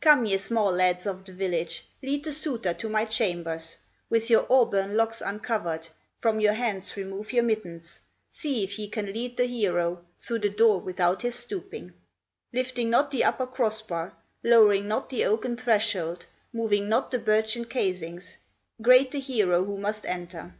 "Come, ye small lads of the village, Lead the suitor to my chambers, With your auburn locks uncovered, From your hands remove your mittens, See if ye can lead the hero Through the door without his stooping, Lifting not the upper cross bar, Lowering not the oaken threshold, Moving not the birchen casings, Great the hero who must enter.